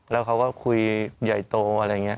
แล้วเขาก็คุยใหญ่โตอะไรอย่างนี้